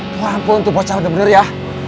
ya ampun tuh bocah bener bener ya